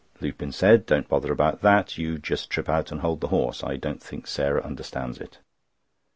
Lupin said: "Don't bother about that. You just trip out and hold the horse; I don't think Sarah understands it."